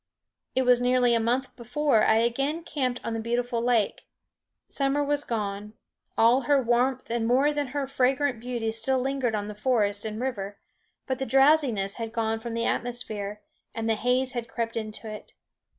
It was nearly a month before I again camped on the beautiful lake. Summer was gone. All her warmth and more than her fragrant beauty still lingered on forest and river; but the drowsiness had gone from the atmosphere, and the haze had crept into it.